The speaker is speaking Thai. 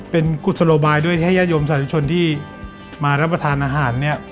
เป็นกุศโลบายด้วยให้ญาติโยมสาธุชนที่มารับประทานอาหารเนี่ย